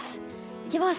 いきます。